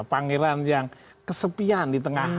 pangeran yang kesepian di tengah